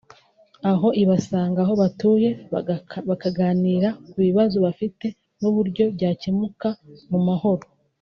aho ibasanga aho batuye bakaganira ku bibazo bafite n’uburyo byakemuka mu mahoro